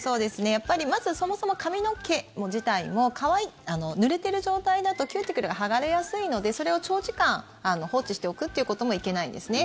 やっぱり、まずそもそも髪の毛自体もぬれてる状態だとキューティクルが剥がれやすいのでそれを長時間放置しておくということもいけないんですね。